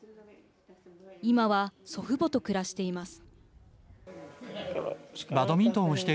今は、祖父母と暮らしています。